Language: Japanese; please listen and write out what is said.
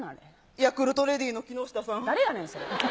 ヤクルトレディーのきのした誰やねん、それ。